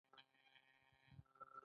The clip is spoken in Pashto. مینه د خدای او رسول ښه ده